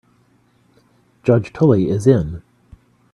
Judge Tully is in.